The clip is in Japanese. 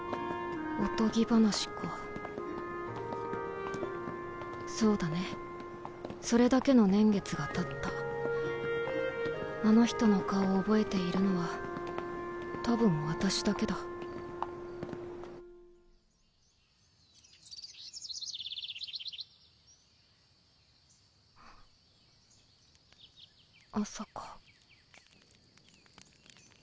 おとぎ話かそうだねそれだけの年月がたったあの人の顔を覚えているのは多分私だ朝か。